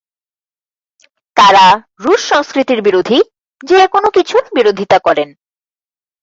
তারা রুশ সংস্কৃতির বিরোধী যে কোনো কিছুর বিরোধিতা করেন।